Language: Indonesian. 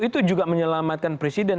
itu juga menyelamatkan presiden